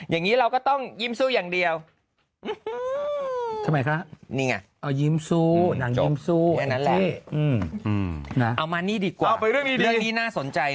อย่างนี้เราก็ต้องยิ้มซู่อย่างเดียวเอามานี่ดีกว่า